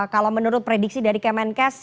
kalau menurut prediksi dari kemenkes